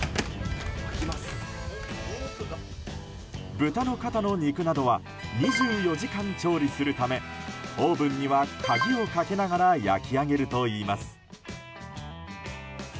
豚の肩の肉などは２４時間調理するためオーブンには鍵をかけながら焼き上げるといいます。